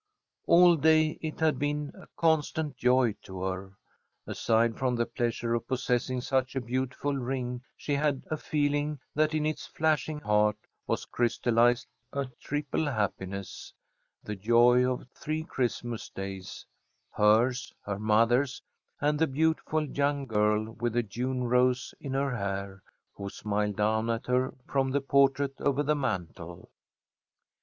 All day it had been a constant joy to her. Aside from the pleasure of possessing such a beautiful ring, she had a feeling that in its flashing heart was crystallized a triple happiness, the joy of three Christmas days: hers, her mother's, and the beautiful young girl with the June rose in her hair, who smiled down at her from the portrait over the mantel.